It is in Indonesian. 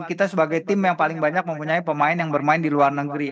kita sebagai tim yang paling banyak mempunyai pemain yang bermain di luar negeri